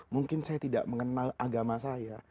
mungkin saya tidak mengenal agama saya